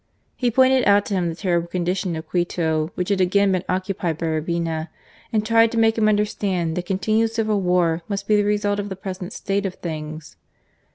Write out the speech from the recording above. He pointed out to him the terrible condition of Quito, which had again been occupied by Urbina, and tried to make him understand that continued civil war must be the result of the present state of things.